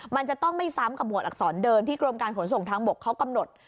มันจะต้องไม่ซ้ำกับหมวดอักษรเดิมที่กรมการขนส่งทางบกเขากำหนด